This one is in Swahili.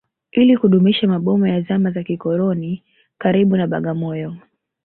Ili kudumisha maboma ya zama za kikoloni karibu na Bagamoyo